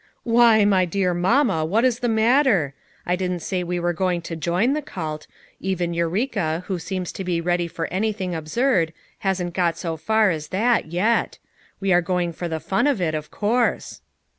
"Why, my dear Mamma, what is the matter? I didn't say we were going to join the cult; even Eureka, who seems to be ready for any thing absurd, hasn't got so far as that, yet; we are going for the fun of it, of course."